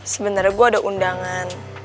sebenernya gue ada undangan